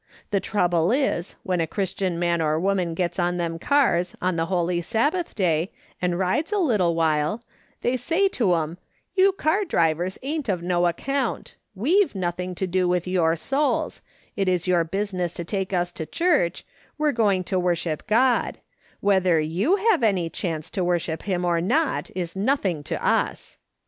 The trouble is when a Christian man or woman gets on them cars on tlie holy Sabbath day and rides a little while, they say to 'em, ' You car drivers ain't of no account ; we've nothing to do with your souls ; it is your business to take us to church, we're going to worship God ; whether yoti, have any chance to worship him or not, is nothing to us.'